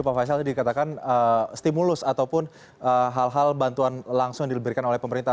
pak faisal tadi dikatakan stimulus ataupun hal hal bantuan langsung yang diberikan oleh pemerintah